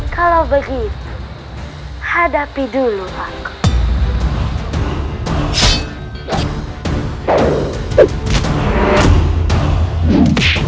kalau begitu hadapi dulu pak